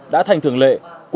đã thành thường lệ